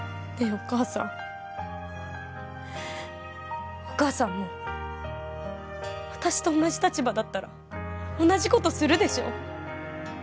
お母さんお母さんも私と同じ立場だったら同じことするでしょ？